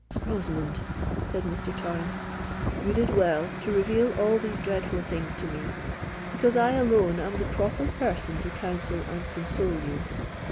"Rosamond," said Mr. Torrens, "you did well to reveal all these dreadful things to me; because I alone am the proper person to counsel and console you.